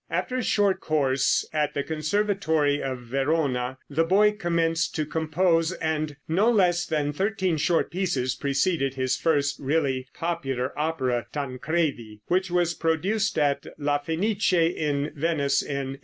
After a short course at the Conservatory of Verona, the boy commenced to compose, and no less than thirteen short pieces preceded his first really popular opera, "Tancredi," which was produced at La Fenice, in Venice, in 1813.